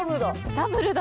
ダブルだ。